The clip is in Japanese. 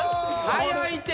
早いって！